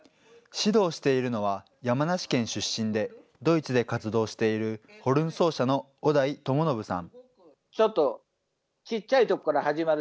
指導しているのは、山梨県出身で、ドイツで活動しているホルン奏者の小田井友信さん。